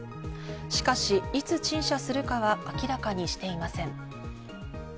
しかし、いつ陳謝するかは明らかにしていません。